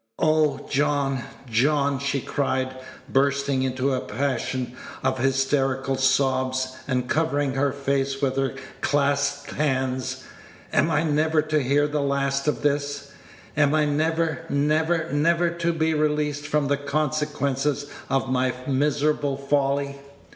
"Oh, John, John!" she cried, bursting into a passion of hysterical sobs, and covering her face with her clasped hands, "am I never to hear the last of this? Am I never, never, never to be released from the consequences of my miserable folly?"